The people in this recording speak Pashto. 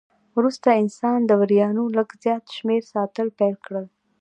وروسته انسان د وریانو لږ زیات شمېر ساتل پیل کړل.